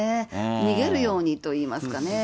逃げるようにと言いますかね。